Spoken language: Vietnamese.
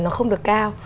nó không được cao